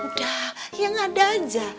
udah yang ada aja